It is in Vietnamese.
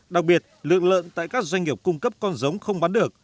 đặc biệt lượng lợn tại các doanh nghiệp cung cấp con giống không bán được